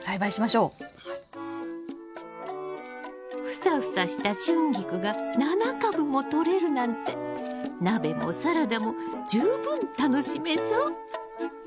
フサフサしたシュンギクが７株もとれるなんて鍋もサラダも十分楽しめそう！